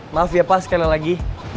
maaf ya pak sekali lagi